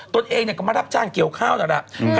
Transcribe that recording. ตัวเองก็มารับจ้างเกี่ยวข้าวนั่นแหละ